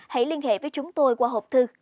hãy liên hệ với chúng tôi qua hộp thư